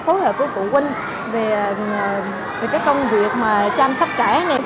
phối hợp với phụ huynh về công việc chăm sác trẻ